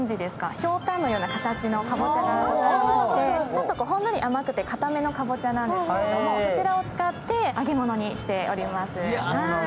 ひょうたんのような形のかぼちゃがございまして、ちょっとほんのり甘くて、固めのかぼちゃなんですけれども、こちらを使って揚げ物にしております。